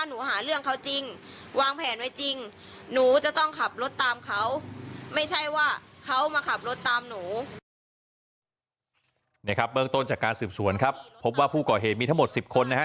นี่ครับเบื้องต้นจากการสืบสวนครับพบว่าผู้ก่อเหตุมีทั้งหมด๑๐คนนะฮะ